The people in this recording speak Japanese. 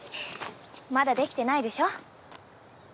まだ出来てないでしょ。